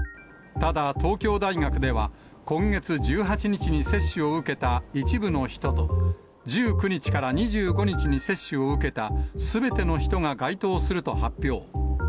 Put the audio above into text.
ただ、東京大学では今月１８日に接種を受けた一部の人と、１９日から２５日に接種を受けたすべての人が該当すると発表。